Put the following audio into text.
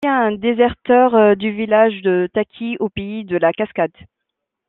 C'est aussi un déserteur du village de Taki, au Pays de la Cascade.